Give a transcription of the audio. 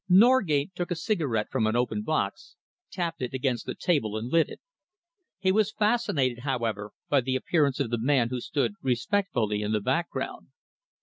Norgate took a cigarette from an open box, tapped it against the table and lit it. He was fascinated, however, by the appearance of the man who stood respectfully in the background.